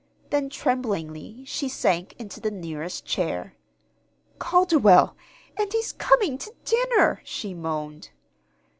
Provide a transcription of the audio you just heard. Then, tremblingly, she sank into the nearest chair. "Calderwell and he's coming to dinner!" she moaned.